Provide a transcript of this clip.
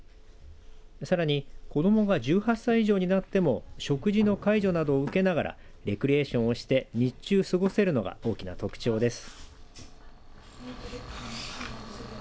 さらに子どもが１８歳以上になっても食事の介助などを受けながらレクリエーションをして日中過ごせるのが大きな特徴です。